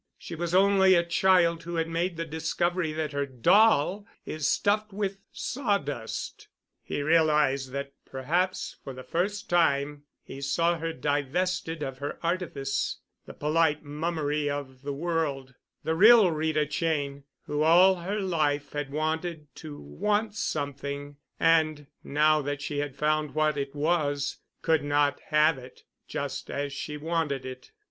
She was only a child who had made the discovery that her doll is stuffed with sawdust. He realized that perhaps for the first time he saw her divested of her artifice, the polite mummery of the world, the real Rita Cheyne, who all her life had wanted to want something and, now that she had found what it was, could not have it just as she wanted it.